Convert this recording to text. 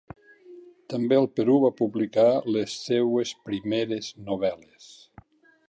També al Perú va publicar les seues primeres novel·les.